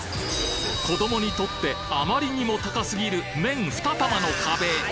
子どもにとってあまりにも高すぎる麺２玉の壁